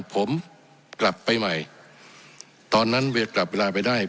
ผมกลับไปใหม่ตอนนั้นเวลากลับเวลาไปได้